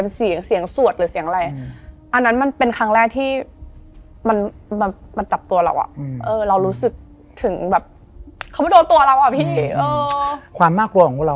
ป่วยรึเปล่าป่วยก็ทานยา